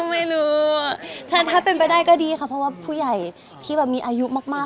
ไม่รู้ถ้าเป็นไปได้ก็ดีค่ะเพราะว่าผู้ใหญ่ที่แบบมีอายุมาก